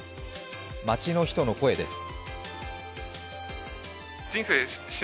街の人の声です。